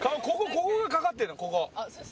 ここがかかってるのここ。